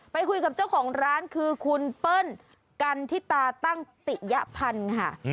ไปคุยกับเจ้าของร้านคือคุณเปิ้ลกันทิตาตั้งติยพันธ์ค่ะ